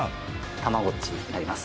たまごっちになります。